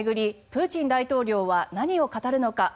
プーチン大統領は何を語るのか。